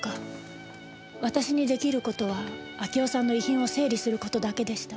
私に出来る事は明夫さんの遺品を整理する事だけでした。